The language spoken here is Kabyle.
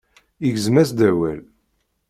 Igzem-as-d awal.